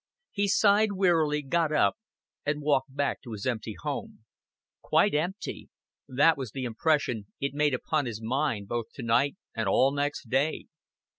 He sighed wearily, got up, and walked back to his empty home. Quite empty that was the impression it made upon his mind both to night and all next day.